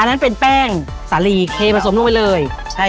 อันนั้นเป็นแป้งสาลีเคผสมลงไปเลย